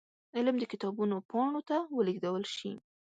علم د کتابونو پاڼو ته ولېږدول شي.